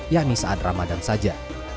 yakni saat ramadan saja